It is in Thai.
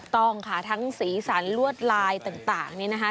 ต้องค่ะทั้งสีสันลวดลายต่างนี่นะคะ